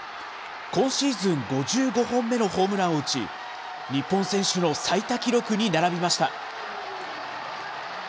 今シーズン５５本目のホームランを打ち、日本選手の最多記録に並びました。